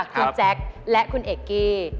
คุณแจ๊คและคุณเอกกี้